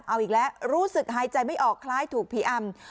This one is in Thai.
เอาอีกแล้วรู้สึกหายใจไม่ออกคล้ายถูกผีอำ